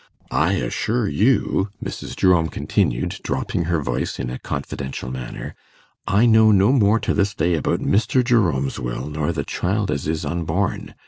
I assure you,' Mrs. Jerome continued, dropping her voice in a confidential manner, 'I know no more to this day about Mr. Jerome's will, nor the child as is unborn.